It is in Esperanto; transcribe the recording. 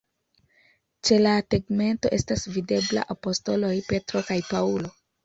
Ĉe la tegmento estas videbla apostoloj Petro kaj Paŭlo.